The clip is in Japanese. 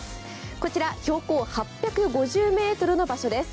こちら、標高８５０ｍの場所です。